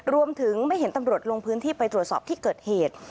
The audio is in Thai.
รวมถึงไม่เห็นตำรวจลงพื้นที่ไปตรวจสอบที่เกิดเหตุ